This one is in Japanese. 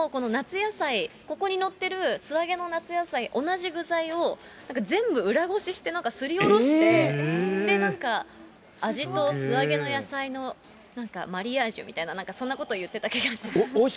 ここに載ってる素揚げの夏野菜、同じ具材を、全部裏ごししてすりおろして、素揚げの野菜のなんかマリアージュみたいな、なんかそんなこと言ってた気がします。